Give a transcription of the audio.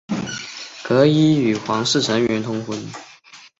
有些库瓦赫皮利可以与皇室成员通婚。